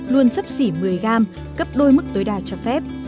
luôn sấp xỉ một mươi gram cấp đôi mức tối đa cho phép